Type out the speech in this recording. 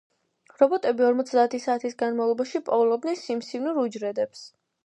რობოტები ორმოცი საათის განმავლობაში პოულობდნენ სიმსივნურ უჯრედებს.